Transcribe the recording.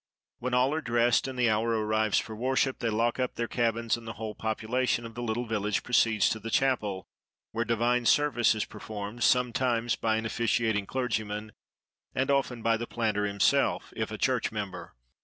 When all are dressed, and the hour arrives for worship, they lock up their cabins, and the whole population of the little village proceeds to the chapel, where divine service is performed, sometimes by an officiating clergyman, and often by the planter himself, if a church member.